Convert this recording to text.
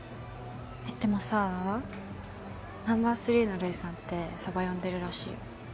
いやでもさナンバー３のルイさんってサバ読んでるらしいよ。